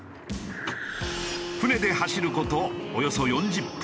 船で走る事およそ４０分。